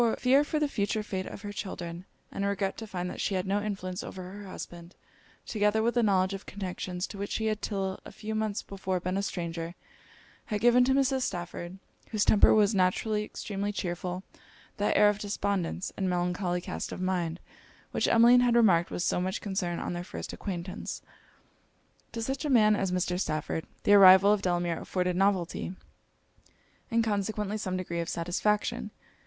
Fear for the future fate of her children, and regret to find that she had no influence over her husband, together with the knowledge of connections to which she had till a few months before been a stranger, had given to Mrs. Stafford, whose temper was naturally extremely chearful, that air of despondence, and melancholy cast of mind, which Emmeline had remarked with so much concern on their first acquaintance. To such a man as Mr. Stafford, the arrival of Delamere afforded novelty, and consequently some degree of satisfaction.